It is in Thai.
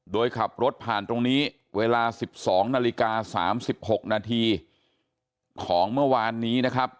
โดยขับรถผ่านตรงนี้เวลา๑๒นาฬิกา๓๖นาทีของเมื่อวานนี้นะครับ